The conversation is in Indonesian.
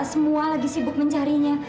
semua lagi sibuk mencarinya